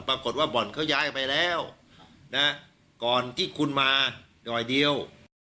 ปรากฏว่าบ่อนเขาย้ายไปแล้วก่อนที่คุณมาเดี๋ยว